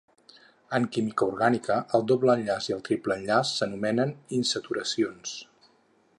En química orgànica el doble enllaç i el triple enllaç s'anomenen insaturacions.